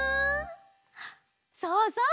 そうそう！